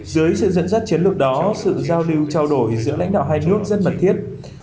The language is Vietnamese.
dưới sự dẫn dắt chiến lược đó sự giao lưu trao đổi giữa lãnh đạo hai nước rất mật thiết